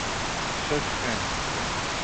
شش فنج